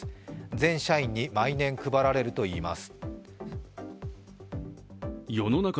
全社員に毎年配られるといいます。